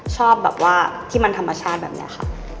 ชอบแบบว่าที่มันธรรมชาติแบบนี้ค่ะ